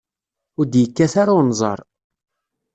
Ur d-yekkat ara unẓar.